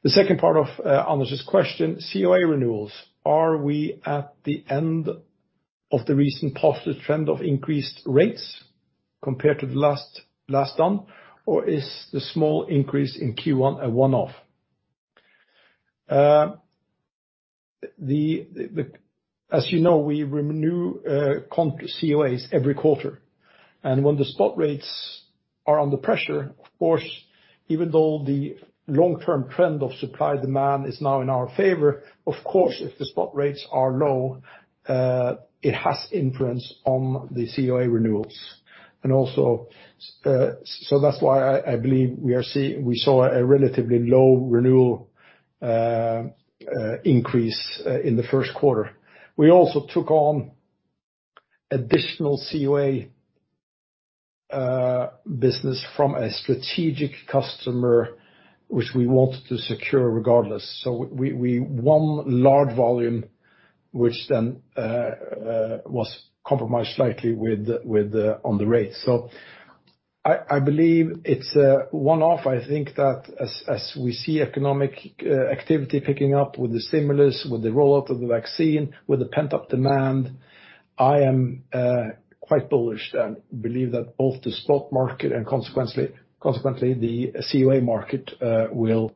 The second part of Anders's question, COA renewals. Are we at the end of the recent positive trend of increased rates compared to the last one, or is the small increase in Q1 a one-off? As you know, we renew COAs every quarter. When the spot rates are under pressure, of course, even though the long-term trend of supply-demand is now in our favor, of course, if the spot rates are low, it has influence on the COA renewals. That's why I believe we saw a relatively low renewal increase in the first quarter. We also took on additional COA business from a strategic customer, which we wanted to secure regardless. We won large volume, which then was compromised slightly on the rate. I believe it's a one-off. I think that as we see economic activity picking up with the stimulus, with the rollout of the vaccine, with the pent-up demand, I am quite bullish and believe that both the spot market and consequently the COA market will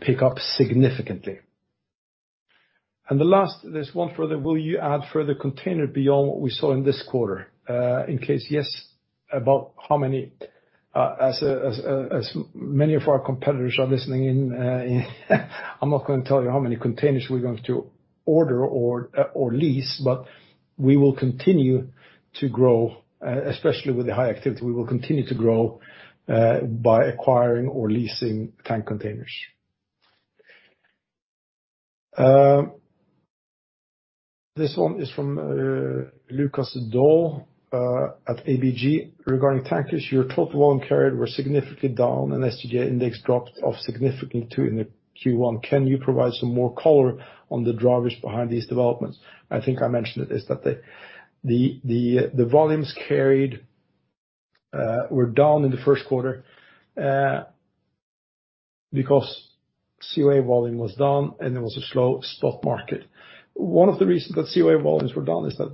pick up significantly. The last, there's one further. Will you add further container beyond what we saw in this quarter? In case yes, about how many? As many of our competitors are listening in, I'm not going to tell you how many containers we're going to order or lease, but we will continue to grow. Especially with the high activity, we will continue to grow by acquiring or leasing tank containers. This one is from Lukas Daul at ABG regarding tankers. Your total volume carried were significantly down, and STJS index dropped off significantly too in the Q1. Can you provide some more color on the drivers behind these developments? I think I mentioned it, is that the volumes carried were down in the first quarter because CoA volume was down, and there was a slow spot market. One of the reasons that CoA volumes were down is that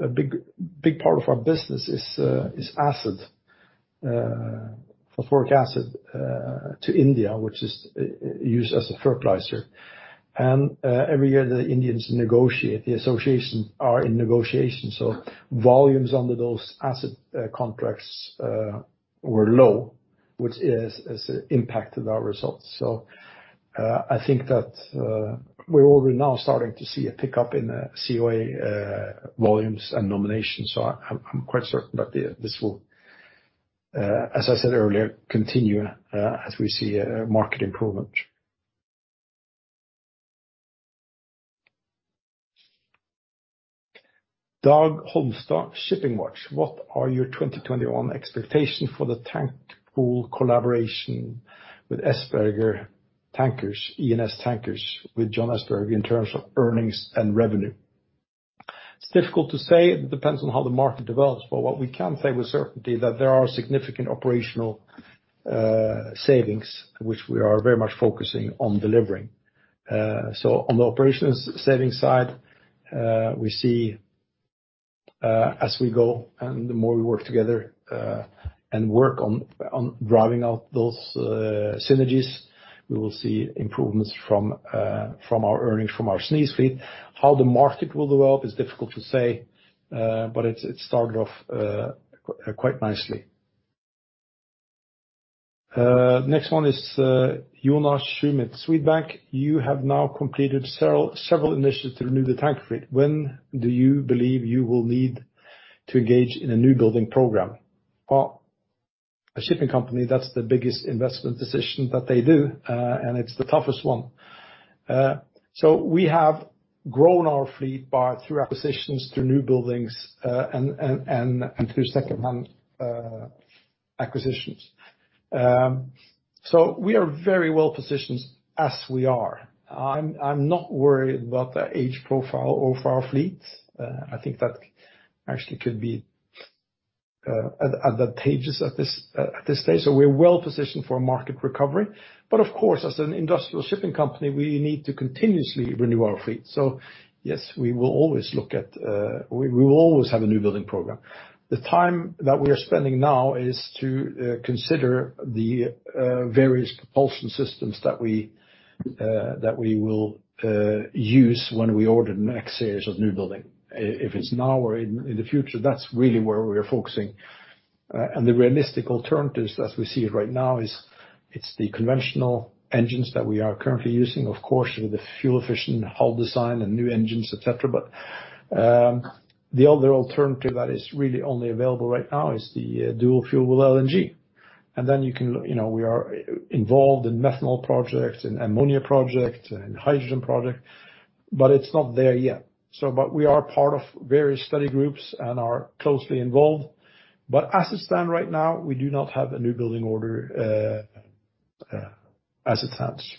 a big part of our business is acid, phosphoric acid to India, which is used as a fertilizer. Every year, the Indians negotiate. The association are in negotiation. Volumes under those acid contracts were low, which has impacted our results. I think that we're already now starting to see a pickup in CoA volumes and nominations. I'm quite certain that this will, as I said earlier, continue as we see a market improvement. Dag Holmstad, ShippingWatch. What are your 2021 expectations for the tank pool collaboration with Essberger Tankers, E&S Tankers with John T. Essberger in terms of earnings and revenue? It's difficult to say. It depends on how the market develops. What we can say with certainty that there are significant operational savings which we are very much focusing on delivering. On the operations savings side, we see as we go and the more we work together, and work on driving out those synergies, we will see improvements from our earnings from our SNIES fleet. How the market will develop is difficult to say, but it started off quite nicely. Next one is Jonas Schumann at Swedbank. You have now completed several initiatives to renew the tanker fleet. When do you believe you will need to engage in a new building program? Well, a shipping company, that's the biggest investment decision that they do, and it's the toughest one. We have grown our fleet through acquisitions, through new buildings, and through second-hand acquisitions. We are very well positioned as we are. I'm not worried about the age profile of our fleet. I think that actually could be at the pace at this stage. We are well positioned for a market recovery. Of course, as an industrial shipping company, we need to continuously renew our fleet. Yes, we will always have a new building program. The time that we are spending now is to consider the various propulsion systems that we will use when we order the next series of new building. If it's now or in the future, that's really where we are focusing. The realistic alternatives as we see it right now is the conventional engines that we are currently using, of course, with the fuel-efficient hull design and new engines, et cetera. The other alternative that is really only available right now is the dual-fuel with LNG. We are involved in methanol projects, in ammonia projects, in hydrogen projects, but it's not there yet. We are part of various study groups and are closely involved. As it stands right now, we do not have a new building order as it stands.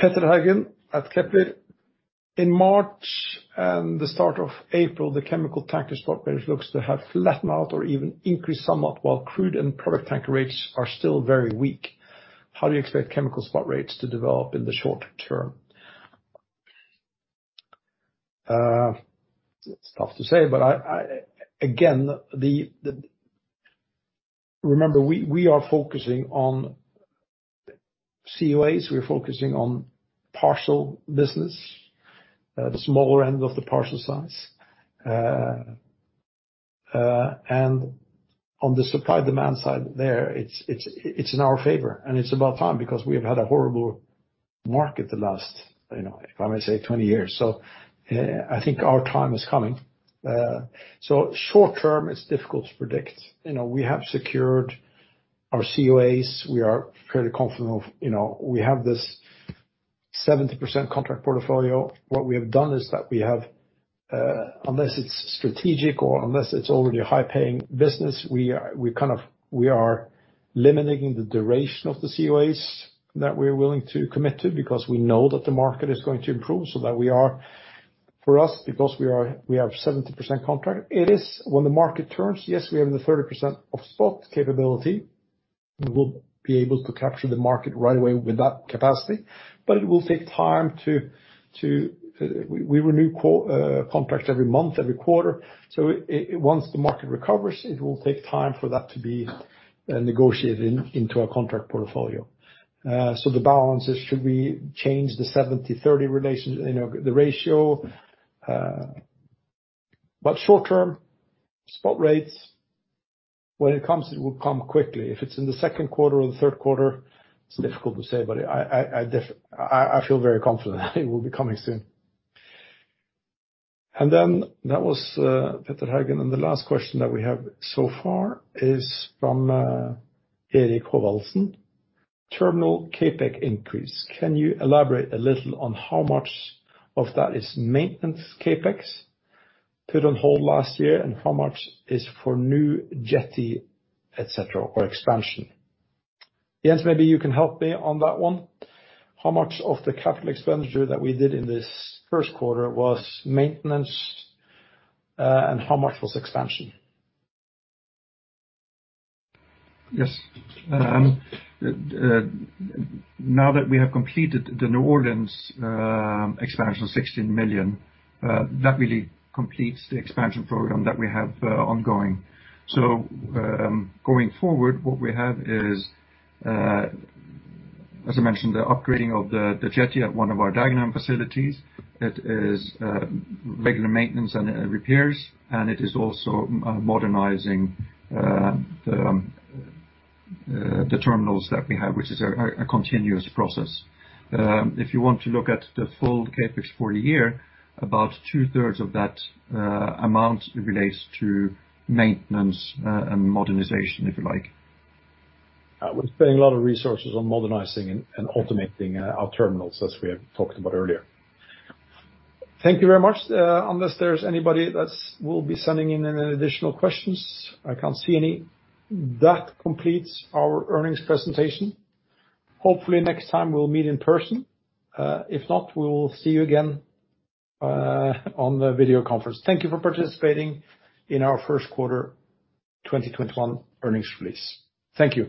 Petter Haugen at Kepler. In March and the start of April, the chemical tanker spot rates look to have flattened out or even increased somewhat while crude and product tanker rates are still very weak. How do you expect chemical spot rates to develop in the short term? It's tough to say. Again, remember, we are focusing on COAs, we are focusing on parcel business, the smaller end of the parcel size. On the supply-demand side there, it's in our favor and it's about time because we have had a horrible market the last, if I may say, 20 years. I think our time is coming. Short-term, it's difficult to predict. We have secured our COAs. We are fairly confident. We have this 70% contract portfolio. What we have done is that unless it's strategic or unless it's already a high-paying business, we are limiting the duration of the COAs that we're willing to commit to because we know that the market is going to improve so that for us, because we have 70% contract. It is when the market turns, yes, we have the 30% of spot capability. We will be able to capture the market right away with that capacity, but it will take time. We renew contracts every month, every quarter. Once the market recovers, it will take time for that to be negotiated into our contract portfolio. The balance is should we change the 70-30, the ratio? Short-term, spot rates, when it comes, it will come quickly. If it's in the second quarter or the third quarter, it's difficult to say, but I feel very confident it will be coming soon. That was Petter Haugen. The last question that we have so far is from Eirik Hovi. Terminal CapEx increase. Can you elaborate a little on how much of that is maintenance CapEx put on hold last year, and how much is for new jetty, et cetera, or expansion? Jens, maybe you can help me on that one. How much of the capital expenditure that we did in this first quarter was maintenance, and how much was expansion? Yes. Now that we have completed the New Orleans expansion of $16 million, that really completes the expansion program that we have ongoing. Going forward, what we have is, as I mentioned, the upgrading of the jetty at one of our Dagenham facilities. It is regular maintenance and repairs, and it is also modernizing the terminals that we have, which is a continuous process. If you want to look at the full CapEx for the year, about two-thirds of that amount relates to maintenance and modernization, if you like. We're spending a lot of resources on modernizing and automating our terminals as we have talked about earlier. Thank you very much. Unless there's anybody that will be sending in any additional questions. I can't see any. That completes our earnings presentation. Hopefully next time we'll meet in person. If not, we will see you again on the video conference. Thank you for participating in our first quarter 2021 earnings release. Thank you